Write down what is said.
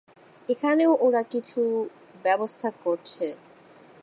এখানেও ওরা কিছু ব্যবস্থা করছে।